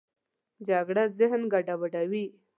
جګړه ذهن ګډوډوي